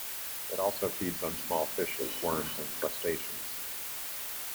It also feeds on small fishes, worms, and crustaceans.